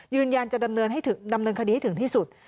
ยืนยันจะดำเนินคดีให้ถึงที่สุด